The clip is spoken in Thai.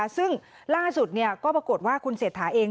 ซึ่งล่าสุดก็ปรากฏว่าคุณเศรษฐาเอง